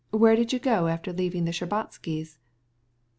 Where did you go after the Shtcherbatskys'?"